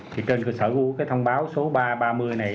thì trên cơ sở của cái thông báo số ba trăm ba mươi này